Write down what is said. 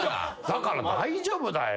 だから大丈夫だよ。